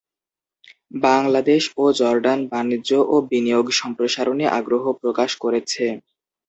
বাংলাদেশ ও জর্ডান বাণিজ্য ও বিনিয়োগ সম্প্রসারণে আগ্রহ প্রকাশ করেছে।